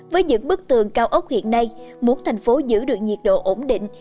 với những bức tường cao ốc hiện nay muốn thành phố giữ được nhiệt độ ổn định